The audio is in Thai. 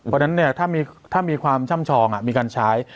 เพราะฉะนั้นถ้ามีความช่ำชองมีการใช้